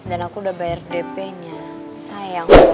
dan aku udah bayar dpnya sayang